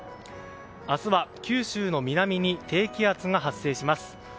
明日は九州の南に低気圧が発生します。